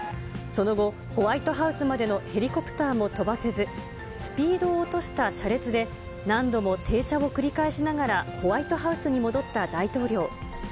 その後、ホワイトハウスまでのヘリコプターも飛ばせず、スピードを落とした車列で、何度も停車を繰り返しながら、ホワイトハウスに戻った大統領。